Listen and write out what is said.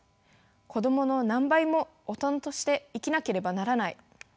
子供の何倍も大人として生きなければならない。